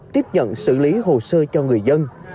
tiếp nhận xử lý hồ sơ cho người dân